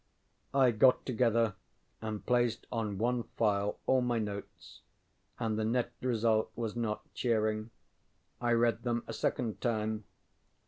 I got together and placed on one file all my notes; and the net result was not cheering. I read them a second time.